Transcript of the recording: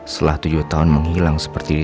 setelah tujuh tahun menghilang seperti ini